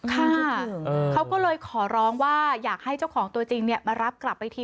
ค่ะเขาก็เลยขอร้องว่าอยากให้เจ้าของตัวจริงมารับกลับไปที